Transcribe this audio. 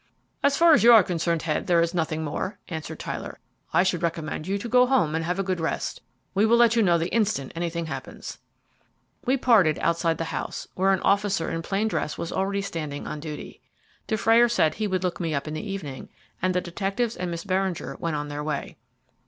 "As far as you are concerned, Mr. Head, there is nothing more," answered Tyler. "I should recommend you to go home and have a good rest. We will let you know the instant anything happens." We parted outside the house, where an officer in plain dress was already standing on duty. Dufrayer said he would look me up in the evening, and the detectives and Miss Beringer went on their way.